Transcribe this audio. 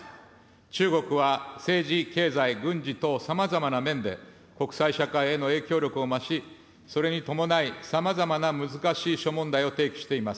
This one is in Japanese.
中国は政治、経済、軍事等、さまざまな面で国際社会への影響力を増し、それに伴い、さまざまな難しい諸問題を提起しています。